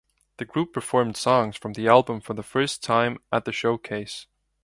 The group performed songs from the album for the first time at the showcase.